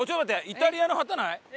イタリアの旗ない？